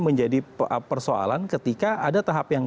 menjadi persoalan ketika ada tahap yang